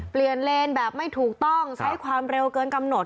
เลนแบบไม่ถูกต้องใช้ความเร็วเกินกำหนด